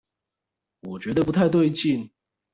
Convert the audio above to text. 我覺得不太對勁